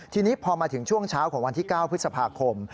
ทีนี้พอมาถึงช่วงเช้าของวันที่๙พฤษภาคม